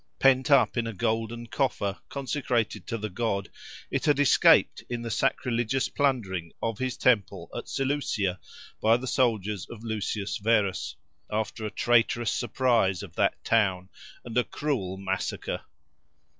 Pent up in a golden coffer consecrated to the god, it had escaped in the sacrilegious plundering of his temple at Seleucia by the soldiers of Lucius Verus, after a traitorous surprise of that town and a cruel massacre.